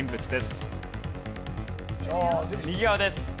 右側です。